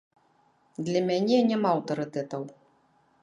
Для мяне няма аўтарытэтаў.